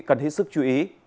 cần hết sức chú ý